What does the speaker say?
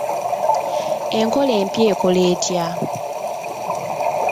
Enkola empya ekola etya?